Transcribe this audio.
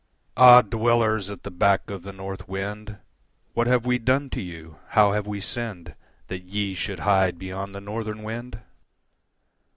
Ah, Dwellers at the back of the North Wind, What have we done to you? How have we sinned, That yes should hide beyond the Northern wind?